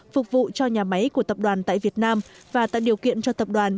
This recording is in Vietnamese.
phục vụ cho nhà máy của tập đoàn tại việt nam và tạo điều kiện cho tập đoàn